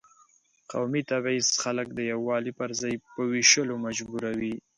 قومي تبعیض خلک د یووالي پر ځای په وېشلو مجبوروي.